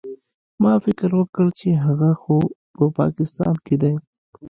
ما فکر وکړ چې هغه خو په پاکستان کښې دى.